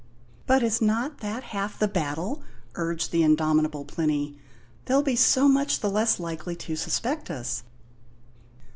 "But is not that half the battle?" urged the indomitable Plinny. "They'll be so much the less likely to suspect us."